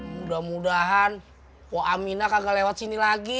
mudah mudahan kok aminah kagak lewat sini lagi